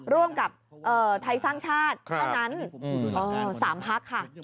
ร่วมกับไทยสร้างชาติเท่านั้น๓พักค่ะ